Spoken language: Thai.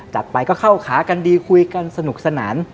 จัดไปก็เข้าขากันดีคุยกันสนุกสนาน